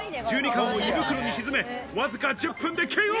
１２貫を胃袋に沈め、わずか１０分でＫＯ。